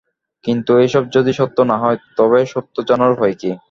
কিন্তু এসব যদি সত্য না হয়, তবে সত্য জানার উপায় কী?